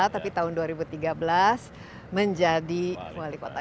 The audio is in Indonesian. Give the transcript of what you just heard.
tapi tahun dua ribu tiga belas menjadi wali kota